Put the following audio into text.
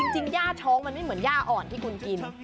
ย่าท้องมันไม่เหมือนย่าอ่อนที่คุณกิน